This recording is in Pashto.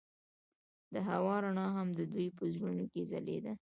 د هوا رڼا هم د دوی په زړونو کې ځلېده.